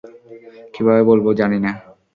কীভাবে বলব জানি না।